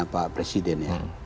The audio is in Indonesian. pak presiden ya